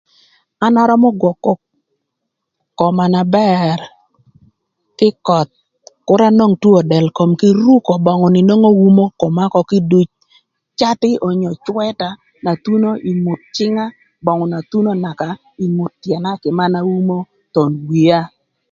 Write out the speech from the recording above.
An arömö gwökö koma na bër kï ï köth kür anwong two del kom kï ruko böng na nwongo umo koma ökö kï duc, catï onyo cwëta na thuno ï ngut cïnga, böngü na thuno naka ïtyëna kï mena uno thon wia